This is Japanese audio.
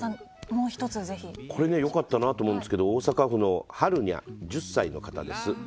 これ、よかったなと思うんですけど大阪府の１０歳の方です。